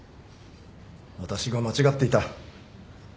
私が間違っていた。